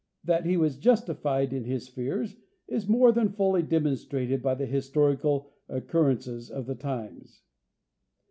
That he was justified in his fears is more than fully demonstrated by the historical occurrences of the times.